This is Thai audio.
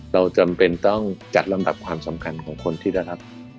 เราจำเป็นต้องจัดลำดับความสำคัญของคนที่ได้รับ